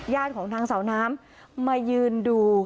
ญาติของทางเสาร์น้ำไม่ยืนดู